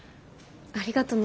ありがとね。